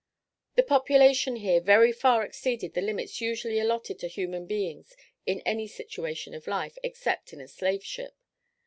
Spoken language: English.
The population here very far exceeded the limits usually allotted to human beings in any situation of life, except in a slave ship.